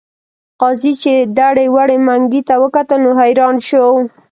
قاضي چې دړې وړې منګي ته وکتل نو حیران شو.